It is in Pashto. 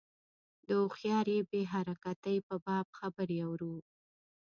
د هوښیاري بې حرکتۍ په باب خبرې اورو.